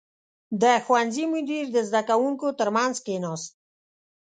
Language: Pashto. • د ښوونځي مدیر د زده کوونکو تر منځ کښېناست.